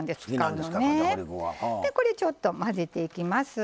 でこれちょっと混ぜていきます。